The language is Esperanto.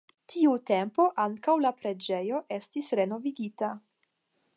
Tiutempe ankaŭ la preĝejo estis renovigita.